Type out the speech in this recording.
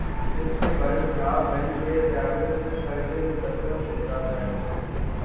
اس کے برخلاف ویلفیئر ریاست میں فرد مقدم ہوتا ہے۔